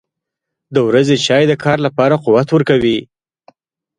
• د ورځې چای د کار لپاره قوت ورکوي.